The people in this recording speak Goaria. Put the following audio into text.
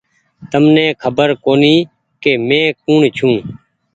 تمني ڪآئي خبر ڪوُني ڪ مينٚ ڪوٚڻ ڇوٚنٚ